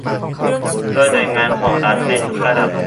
โดยหน่วยงานของรัฐในทุกระดับ